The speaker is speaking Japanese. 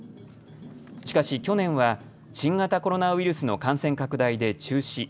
しかし去年は新型コロナウイルスの感染拡大で中止。